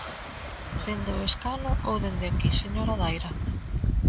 ¿Dende o escano ou dende aquí, señora Daira?